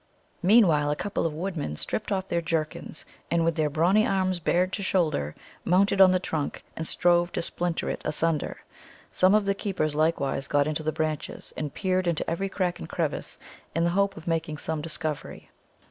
Meanwhile a couple of woodmen, stripped of their jerkins, and with their brawny arms bared to the shoulder, mounted on the trunk, and strove to split it asunder. Some of the keepers likewise got into the branches, and peered into every crack and crevice, in the hope of making some discovery.